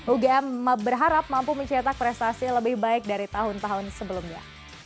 ugm berharap mampu mencetak prestasi lebih baik dari tahun tahun sebelumnya